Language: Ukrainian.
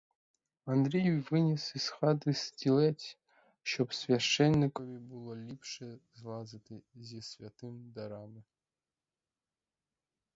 Андрій виніс із хати стілець, щоб священикові було ліпше злазити зі святим дарами.